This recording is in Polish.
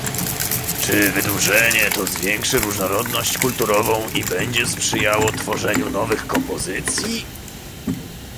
Czy wydłużenie to zwiększy różnorodność kulturową i będzie sprzyjało tworzeniu nowych kompozycji?